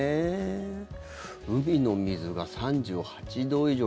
海の水が３８度以上。